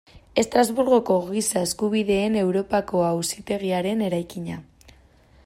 Estrasburgoko Giza Eskubideen Europako Auzitegiaren eraikina.